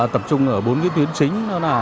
tập trung ở bốn tuyến chính